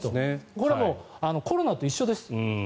これはもう、コロナと一緒です。